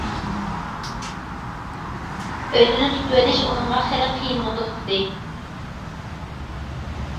ئۆزىنى تۇتۇۋېلىش ئۇنىڭغا خېلى قىيىنغا توختىدى.